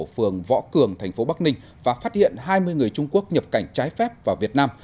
phường võ cường thành phố bắc ninh và phát hiện hai mươi người trung quốc nhập cảnh trái phép vào việt nam